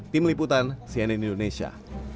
tim liputan cnn indonesia